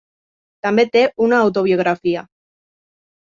També té una autobiografia.